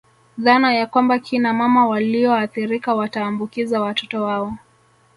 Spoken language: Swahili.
Dhana ya kwamba Kina mama walioathirika watawaambukiza watoto wao